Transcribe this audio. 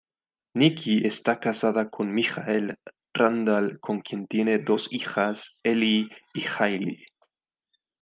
Nikki está casada con Michael Randall, con quien tiene dos hijas Elly y Hayley.